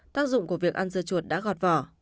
tác dụng của việc ăn dưa chuột đã gọt vỏ